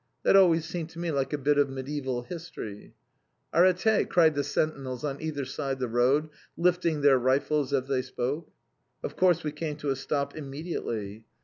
That always seemed to me like a bit of mediæval history. "Arrêtez!" cried the sentinels, on either side the road, lifting their rifles as they spoke. Of course we came to a stop immediately.